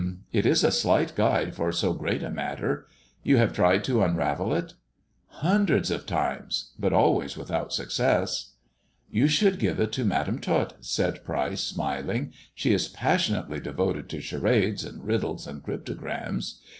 It is a slight guide for so great a matter. You have tried to unravel it 1 "" Hundreds of times ; but always without success." " You should give it to Madam Tot," said Pryce, smiling, " she is passionately devoted to charades, and riddles, and cryptograms.